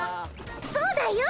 そうだよ